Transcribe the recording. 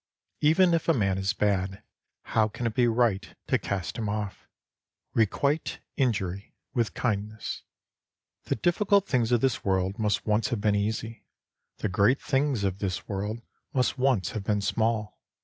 Even if a man is bad, how can it be right to cast him off ? Requite injury with kindness. The difficult things of this world must once have been easy ; the great things of this world must once have been small.